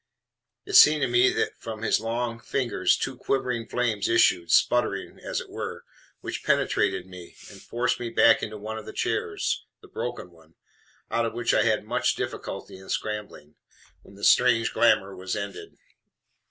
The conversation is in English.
It seemed to me that from his long fingers two quivering flames issued, sputtering, as it were, which penetrated me, and forced me back into one of the chairs the broken one out of which I had much difficulty in scrambling, when the strange glamour was ended.